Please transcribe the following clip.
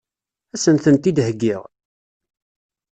Ad sen-tent-id-heggiɣ?